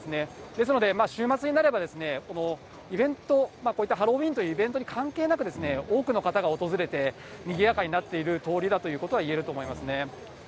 ですので週末になれば、このイベント、こういったハロウィーンというイベントに関係なく、多くの方が訪れて、にぎやかになっている通りだということは言えると思いますね。